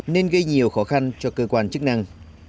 nên gây nhiều khó khăn cho cơ quan chức năng